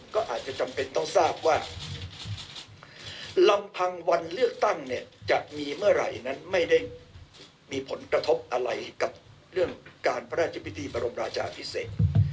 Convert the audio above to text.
ก็อาจจะจำเป็นต้องทราบว่าลำพังวันเลือกตั้งเนี่ยจะมีเมื่อไหร่นั้นไม่ได้มีผลกระทบอะไรกับเรื่องการพระราชพิธีบรมราชาพิเศษ